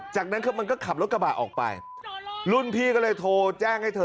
จากนั้นคือมันก็ขับรถกระบะออกไปรุ่นพี่ก็เลยโทรแจ้งให้เธอ